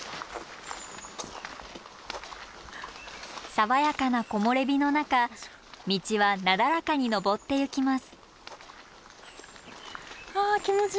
爽やかな木漏れ日の中道はなだらかに登ってゆきます。